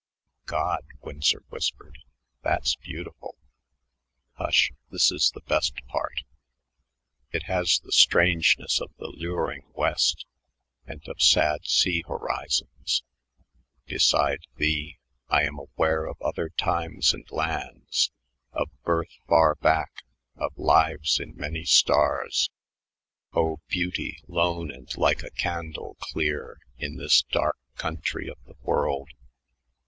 '" "God," Winsor whispered, "that's beautiful." "Hush. This is the best part." "'It has the strangeness of the luring West, And of sad sea horizons; beside thee I am aware of other times and lands, Of birth far back, of lives in many stars. O beauty lone and like a candle clear In this dark country of the world!